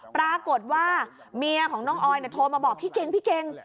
ปรากฏว่าเมียของน้องออยโทรมาบอกพี่เก่งพี่เก่ง